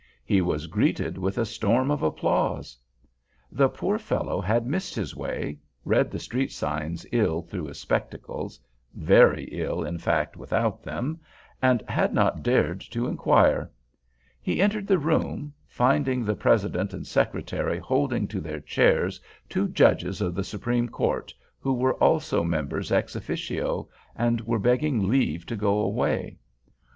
He was greeted with a storm of applause! The poor fellow had missed his way—read the street signs ill through his spectacles (very ill, in fact, without them)—and had not dared to inquire. He entered the room—finding the president and secretary holding to their chairs two judges of the Supreme Court, who were also members ex officio, and were begging leave to go away.